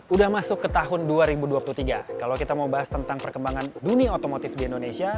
udah masuk ke tahun dua ribu dua puluh tiga kalau kita mau bahas tentang perkembangan dunia otomotif di indonesia